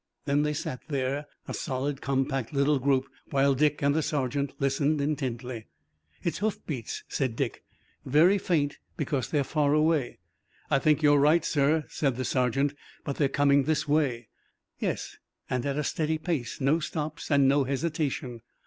Then they sat there, a solid, compact little group, while Dick and the sergeant listened intently. "It's hoofbeats," said Dick, "very faint, because they are far away." "I think you are right, sir," said the sergeant. "But they're coming this way." "Yes, and at a steady pace. No stops and no hesitation."